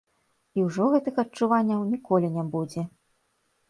І ўжо гэтых адчуванняў ніколі не будзе.